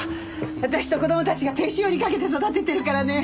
私と子供たちが手塩にかけて育ててるからね。